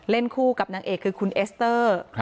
คู่กับนางเอกคือคุณเอสเตอร์